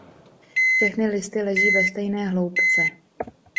Všechny listy leží ve stejné hloubce.